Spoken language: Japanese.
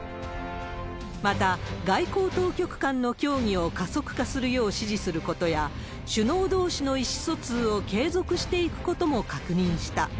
また、外交当局間の協議を加速化するよう指示することや、首脳どうしの意思疎通を継続していくことも確認した。